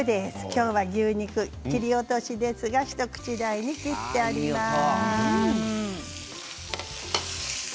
今日は牛肉、切り落としですが一口大に切ってあります。